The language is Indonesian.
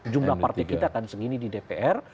jumlah partai kita akan segini di dpr